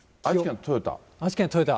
愛知県の豊田。